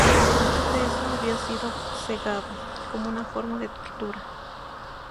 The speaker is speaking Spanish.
Antes de eso, había sido cegado, como una forma de tortura.